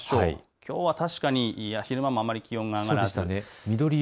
きょうは確かに昼間もあまり気温が上がりませんでした。